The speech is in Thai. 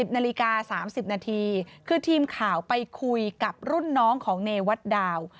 นาฬิกา๓๐นาทีคือทีมข่าวไปคุยกับรุ่นน้องของเนวัดดาว